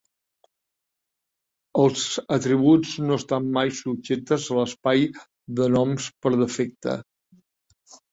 Els atributs no estan mai subjectes a l'espai de noms per defecte.